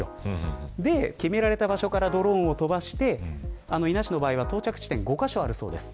そして、決められた場所からドローンを飛ばして伊那市の場合は到着地点が５カ所あります。